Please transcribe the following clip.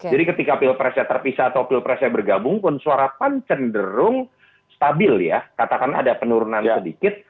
jadi ketika pilpresnya terpisah atau pilpresnya bergabung pun suarapan cenderung stabil ya katakan ada penurunan sedikit